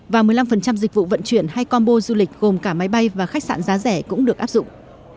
và một mươi năm dịch vụ vận chuyển hay combo du lịch gồm cả máy bay và khách sạn giá rẻ cũng được áp dụng